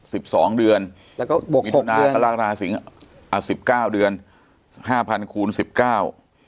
สิบสองเดือนแล้วก็บกหกเดือนอ่าสิบเก้าเดือนห้าพันคูณสิบเก้า